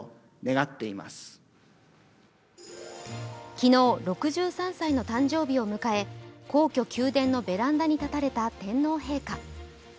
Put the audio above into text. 昨日６３歳の誕生日を迎え、皇居・宮殿のベランダに立たれた天皇陛下。